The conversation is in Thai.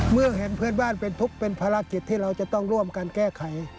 เมื่อเห็นเพื่อนบ้านเป็นทุกข์เป็นภารกิจที่เราจะต้องร่วมกันแก้ไข